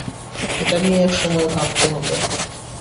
এটা নিয়ে এক সময় ভাবতে হবে।